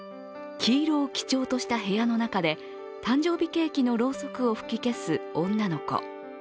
黄色を基調とした部屋の中で、誕生日ケーキのろうそくを吹き消す女の子。